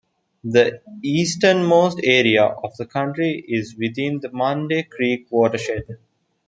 The easternmost area of the county is within the Monday Creek watershed.